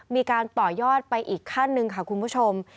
มีการต่อยอดไปอีกขั้นหนึ่งค่ะคุณผู้ชม